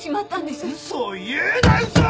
嘘を言うな嘘を！